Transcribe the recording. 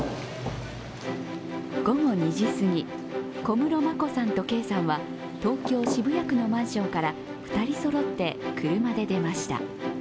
午後２時すぎ、小室眞子さんと圭さんは東京・渋谷区のマンションから２人そろって車で出ました。